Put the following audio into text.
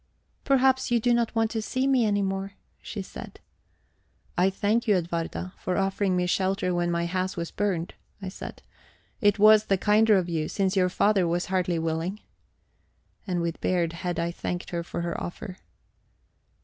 "Perhaps you do not want to see me any more," she said. "I thank you, Edwarda, for offering me shelter when my house was burned," I said. "It was the kinder of you, since your father was hardly willing." And with bared head I thanked her for her offer.